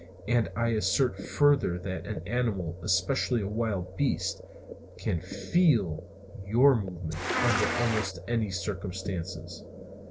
And I assert further that an animal, especially a wild beast, can feel your movements under almost any circumstances.